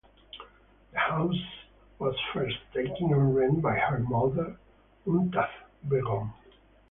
The house was first taken on rent by her mother Mumtaz Begum.